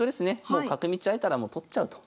もう角道開いたらもう取っちゃうと。